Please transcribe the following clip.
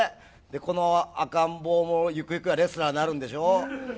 この赤ん坊もゆくゆくはレスラーになるんでしょ。